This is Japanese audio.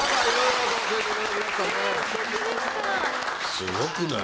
すごくない？